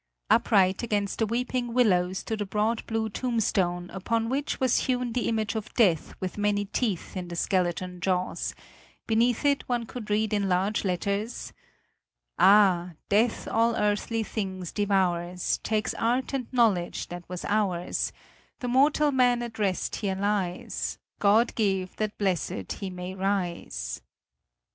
Upright against a weeping willow stood a broad blue tombstone upon which was hewn the image of death with many teeth in the skeleton jaws; beneath it one could read in large letters: "Ah, death all earthly things devours, Takes art and knowledge that was ours; The mortal man at rest here lies God give, that blesséd he may rise."